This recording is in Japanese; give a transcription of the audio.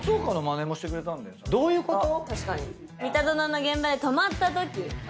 どういうこと？